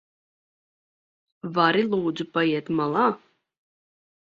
Vari lūdzu paiet malā?